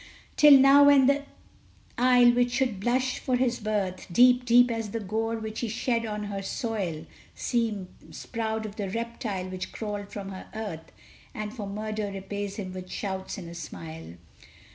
Till now, when the isle which should blush for his birth, Deep, deep as the gore which he shed on her soil, Seems proud of the reptile which crawled from her earth, And for murder repays him with shouts and a smile!